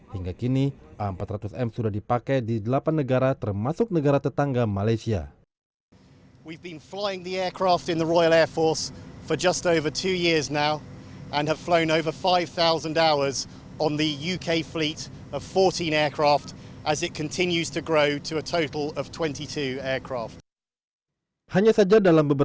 hingga kini a empat ratus m sudah dipakai di delapan negara termasuk negara tetangga malaysia